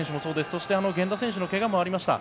そして源田選手の怪我もありました。